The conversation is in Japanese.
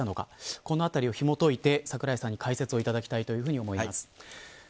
このあたりをひもといて櫻井さんに解説いただきたいと思います。